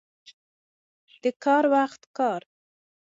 د کار وخت کار.